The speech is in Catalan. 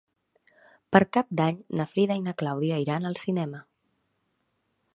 Per Cap d'Any na Frida i na Clàudia iran al cinema.